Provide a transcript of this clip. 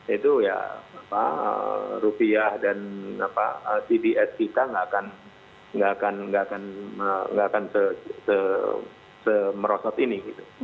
itu ya rupiah dan cds kita nggak akan semerosot ini